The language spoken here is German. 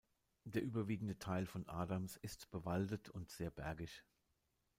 Der überwiegende Teil von Adams ist bewaldet und sehr bergig.